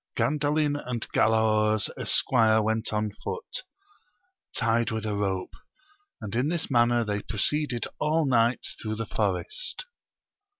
Gandalin and Galaor's esquire went on foot, tied with a rope, and in this manner they proceeded all night through the forest.